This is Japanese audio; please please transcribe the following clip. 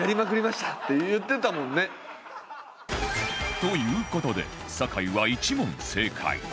という事で酒井は１問正解